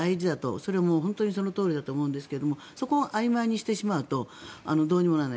それは本当にそのとおりだと思うんですけどそこをあいまいにしてしまうとどうにもならない。